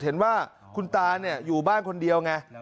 เห็นว่าคุณตาอยู่บ้านคนเดียวไง